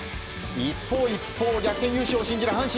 一方、逆転優勝を信じる阪神。